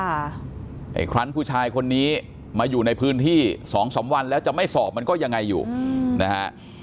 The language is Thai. ไอ้ครั้นผู้ชายคนนี้มาอยู่ในพื้นที่สองสามวันแล้วจะไม่สอบมันก็ยังไงอยู่นะฮะ